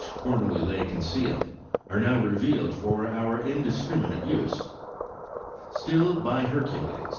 formerly lay concealed, are now revealed for our indiscriminate use? Still, by Hercules